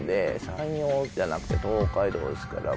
山陽じゃなくて東海道ですから。